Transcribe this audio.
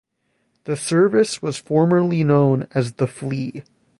The service was formerly known as the Flea.